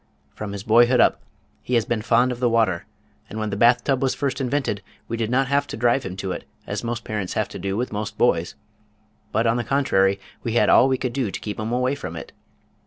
From his boyhood up he has been fond of the water, and when the bath tub was first invented we did not have to drive him to it, as most parents have to do with most boys, but on the contrary we had all we could do to keep him away from it.